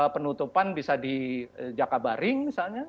penutupan bisa di jakabaring misalnya